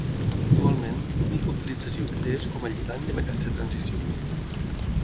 Actualment, l'única utilització que té és com a lligand de metalls de transició.